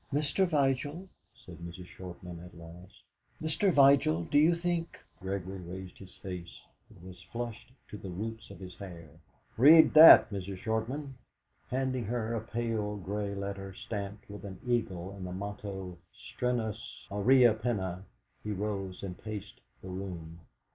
"Mr. Vigil," said Mrs. Shortman at last, "Mr. Vigil, do you think " Gregory raised his face; it was flushed to the roots of his hair. "Read that, Mrs. Shortman." Handing her a pale grey letter stamped with an eagle and the motto '.trenuus aureaque penna' he rose and paced the room.